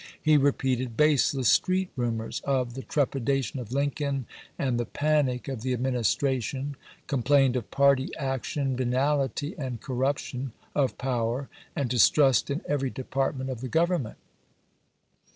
He repeated baseless street rumors of " the trepidation of Lincoln " and the " panic " of the Administration ; complained of party action, " venality and corruption " of power, and " distrust in every department of the Grovernment."